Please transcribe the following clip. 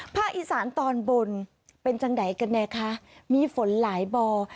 ภาคอีสานตอนบนเป็นจังไหนกันแน่คะมีฝนหลายบ่อ